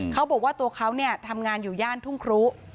เขาบอกว่าตัวเขาเนี่ยทำงานอยู่ย่านทุ่งครุ